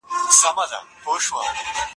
ته ولي کښېناستل کوې؟